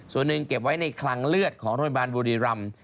ส่วนหนึ่งเก็บไว้ในคลังเลือดของโรงพยาบาลบุรีรำ